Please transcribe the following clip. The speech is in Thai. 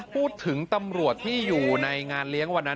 พูดถึงตำรวจที่อยู่ในงานเลี้ยงวันนั้น